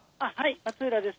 松浦です。